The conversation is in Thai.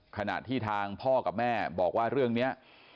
ขณะที่ทางพ่อกับแม่บอกว่าเรื่องนี้